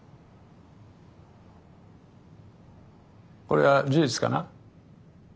これは事実かな？